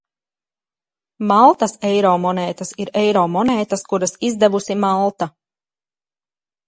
Maltas eiro monētas ir eiro monētas, kuras izdevusi Malta.